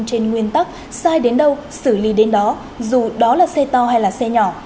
trên nguyên tắc sai đến đâu xử lý đến đó dù đó là xe to hay là xe nhỏ